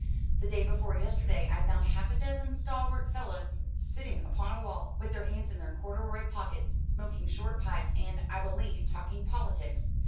The day before yesterday I found half a dozen stalwart fellows sitting upon a wall, with their hands in their corduroy pockets, smoking short pipes, and, I believe, talking politics.